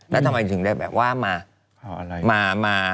แล้วทำไมถึงได้แบบว่ามา